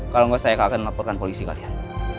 kalau enggak saya akan laporkan polisi kalian